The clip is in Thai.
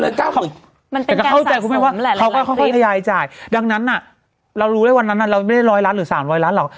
มันเป็นการสะสมหลายละคริสต์ทะยายจ่ายดังนั้นน่ะเรารู้ได้วันนั้นเราก็ไม่ได้๑๐๐ล้านหรือ๓๐๐ล้านหรอก